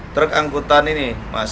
truk angkutan ini mas